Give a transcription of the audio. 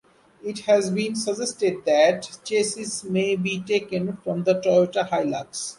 It has been suggested the chassis may be taken from the Toyota Hilux.